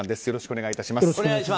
よろしくお願いします。